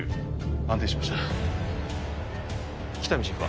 安定しました喜多見チーフは？